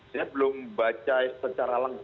saya belum baca secara langsung